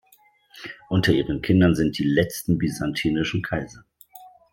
Unter ihren Kindern sind die letzten byzantinischen Kaiser.